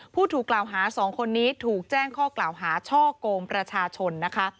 ผู้ถูกกล่าวหา๒คนนี้ถูกแจ้งข้อกล่าวหาช่อกงประชาชนนะคะ